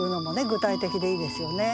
具体的でいいですよね。